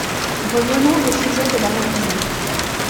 Revenons au sujet de la religion.